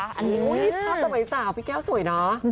อุ้ยกล้องสมัยสาวพี่แก้วสวยเนาะ